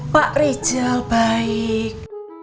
pak rijal baik